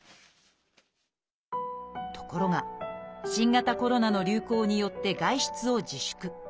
ところが新型コロナの流行によって外出を自粛。